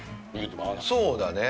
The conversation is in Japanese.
そうだね。